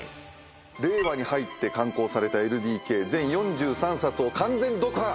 令和に入って刊行された『ＬＤＫ』全４３冊を完全読破。